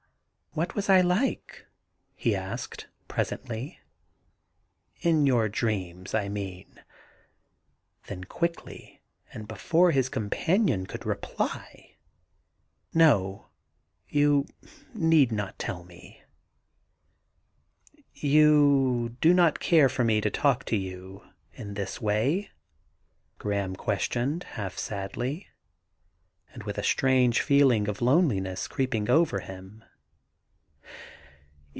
* What was I like?' he asked presently — *in your dreams, I mean ?' Then quickly, and before his companion could reply, * No ; you need not tell me.' *You do not care for me to talk to you in this way?' Graham questioned half sadly, and with a strange feeling of loneliness creeping over him.